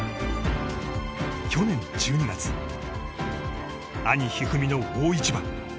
去年１２月兄・一二三の大一番。